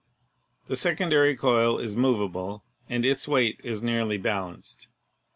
The secondary coil is movable and its weight is nearly bal anced.